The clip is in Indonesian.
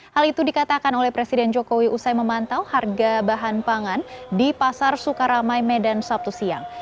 hal itu dikatakan oleh presiden jokowi usai memantau harga bahan pangan di pasar sukaramai medan sabtu siang